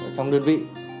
trong đơn vị